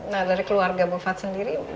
nah dari keluarga bu fat sendiri